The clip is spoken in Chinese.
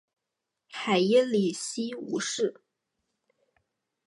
海因里希五世。